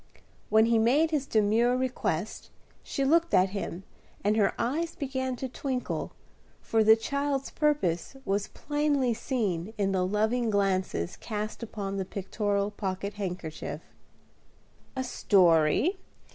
When he made his demure request, she looked at him, and her eyes began to twinkle, for the child's purpose was plainly seen in the loving glances cast upon the pictorial pocket handkerchief. "A story?